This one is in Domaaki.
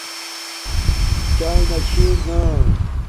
چاݵے نا چھرنا